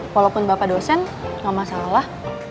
walaupun bapak dosen gak masalah lah